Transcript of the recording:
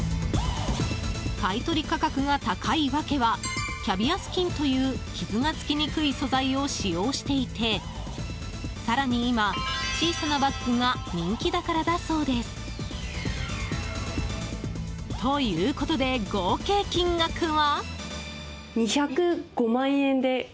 買い取り価格が高い訳はキャビアスキンという傷がつきにくい素材を使用していて更に今、小さなバッグが人気だからだそうです。ということで、合計金額は。